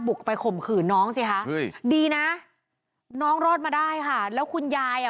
กไปข่มขืนน้องสิคะเฮ้ยดีนะน้องรอดมาได้ค่ะแล้วคุณยายอ่ะ